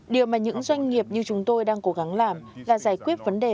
điều mà những doanh nghiệp như chúng tôi đang cố gắng làm là giải quyết vấn đề